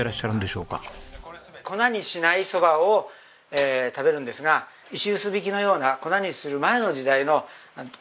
粉にしない蕎麦を食べるんですが石臼ひきのような粉にする前の時代のこれね。